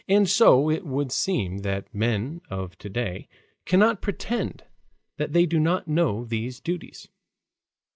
And so it would seem that men of to day cannot pretend that they do not know these duties.